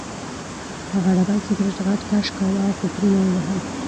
هغه ډبل سګرټ غټ کش کاوه او فکرونه یې وهل